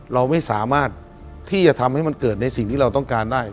เราไม่สามารถที่จะทำให้มันเกิดในสิ่งที่เราต้องการได้